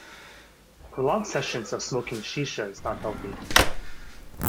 Prolonged sessions of smoking Shisha is not healthy.